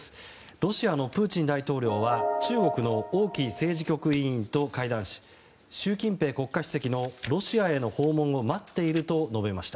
ロシアのプーチン大統領は中国の王毅政治局委員と会談し習近平国家主席のロシアへの訪問を待っていると述べました。